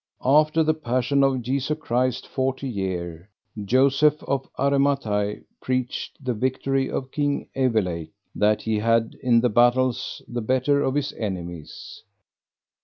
After the passion of Jesu Christ forty year, Joseph of Aramathie preached the victory of King Evelake, that he had in the battles the better of his enemies.